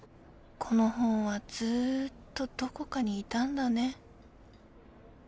この本はずーっとどこかにいたんだね